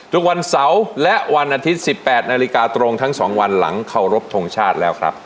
ทุกวันเสาร์และวันอาทิตย์๑๘นาฬิกาตรงทั้ง๒วันหลังเคารพทงชาติแล้วครับ